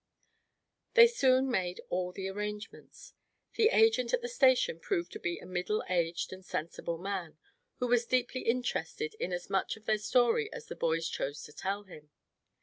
They soon made all arrangements. The agent at the station proved to be a middle aged and sensible man, who was deeply interested in as much of their story as the boys chose to tell him.